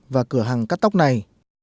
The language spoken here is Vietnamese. và cửa hàng cắt tóc này